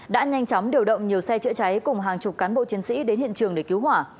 đã nhanh chóng điều động nhiều xe chữa cháy cùng hàng chục cán bộ chiến sĩ đến hiện trường để cứu hỏa